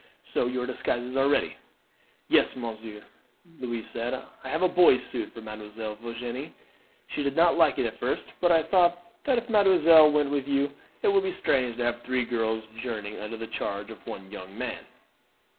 So your disguises are ready?" "Yes, monsieur," Louise said; "I have a boy's suit for Mademoiselle Virginie. She did not like it at first, but I thought that if mademoiselle went with you it would be strange to have three girls journeying under the charge of one young man."